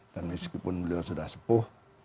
dan meskipun beliau sudah sepuh